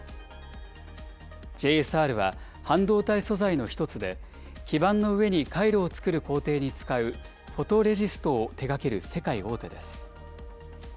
ＪＳＲは半導体素材の一つで、基板の上に回路を作る工程に使うフォトレジストを手がける世界大手です。